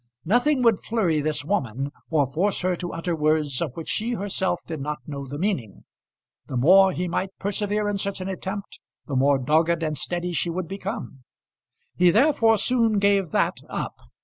Nothing would flurry this woman, or force her to utter words of which she herself did not know the meaning. The more he might persevere in such an attempt, the more dogged and steady she would become. He therefore soon gave that up.